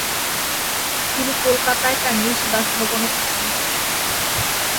তিনি কলকাতায় তার নিজ বাসভবনে স্থাপন করেন।